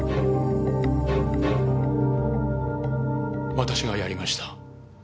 私がやりました。